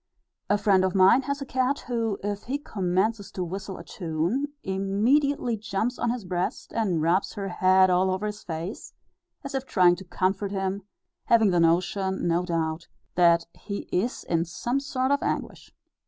A friend of mine has a cat, who, if he commences to whistle a tune, immediately jumps on his breast, and rubs her head all over his face, as if trying to comfort him, having the notion, no doubt, that he is in some sort of anguish.